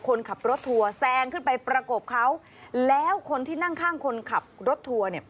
คนขับรถทัวร์แซงขึ้นไปประกบเขาแล้วคนที่นั่งข้างคนขับรถทัวร์เนี่ย